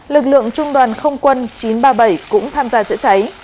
lực lượng trung đoàn không quân chín trăm ba mươi bảy cũng tham gia chữa cháy